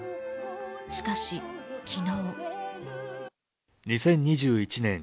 しかし、昨日。